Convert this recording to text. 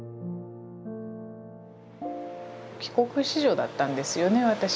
帰国子女だったんですよね私。